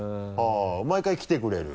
毎回来てくれる？